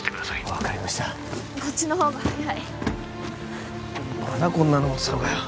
分かりましたこっちのほうが早いまだこんなの持ってたのかよ